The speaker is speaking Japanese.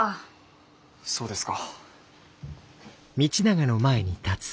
そうですか。